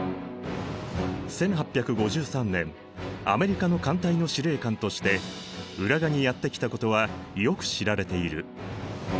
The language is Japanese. １８５３年アメリカの艦隊の司令官として浦賀にやって来たことはよく知られている。